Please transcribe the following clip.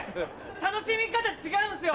楽しみ方違うんすよ！